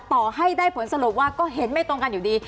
ต่อให้ได้ผลสรุปว่าก็เห็นไม่ตรงกันอยู่ดี